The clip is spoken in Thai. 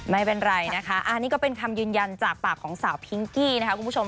ไม่เป็นไรนะคะอันนี้ก็เป็นคำยืนยันจากปากของสาวพิงกี้นะคะคุณผู้ชม